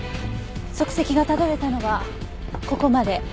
足跡がたどれたのはここまで。